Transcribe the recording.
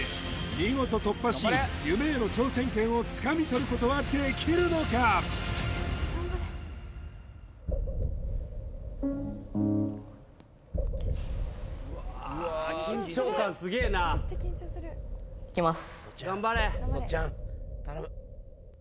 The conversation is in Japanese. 見事突破し夢への挑戦権をつかみ取ることはできるのか弾きます